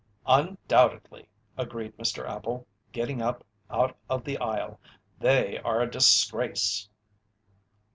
"Undoubtedly," agreed Mr. Appel, getting up out of the aisle. "They are a disgrace!"